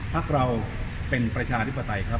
พักเราเป็นประชาธิปไตยครับ